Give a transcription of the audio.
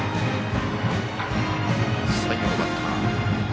最後のバッター。